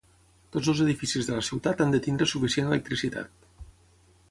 Tots els edificis de la ciutat han de tenir suficient electricitat.